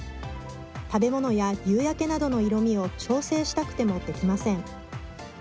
食べ物や、夕焼けなどの色味を調整したくてもできません。